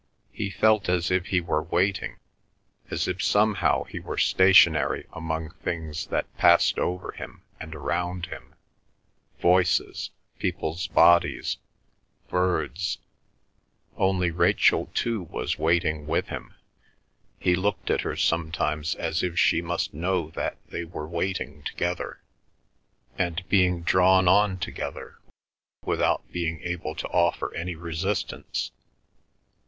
He felt as if he were waiting, as if somehow he were stationary among things that passed over him and around him, voices, people's bodies, birds, only Rachel too was waiting with him. He looked at her sometimes as if she must know that they were waiting together, and being drawn on together, without being able to offer any resistance.